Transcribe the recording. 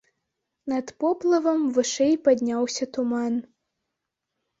Над поплавам вышэй падняўся туман.